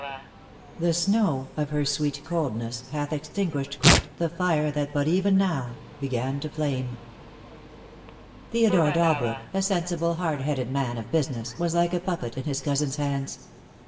"The snow Of her sweet coldness hath extinguished quite The fire that but even now began to flame." Theodore Dalbrook, a sensible, hard headed man of business, was like a puppet in his cousin's hands.